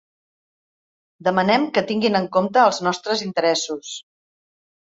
Demanem que tinguin en compte els nostres interessos.